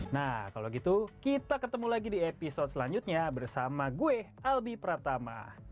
nah kalau gitu kita ketemu lagi di episode selanjutnya bersama gue albi pratama